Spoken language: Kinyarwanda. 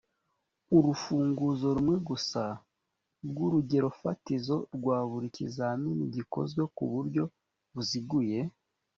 urufunguzo rumwe gusa rw’ urugerofatizo rwa buri ikizamini gikozwe ku buryo buziguye.